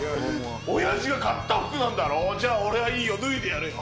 おやじが買った服なんだろ、じゃあ、俺はいいよ、脱いでやるよ。